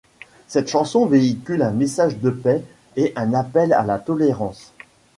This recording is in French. Cette chanson véhicule un message de paix et un appel à la tolérance.